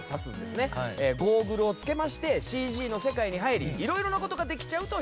ゴーグルを着けましてＣＧの世界に入り色々な事ができちゃうという。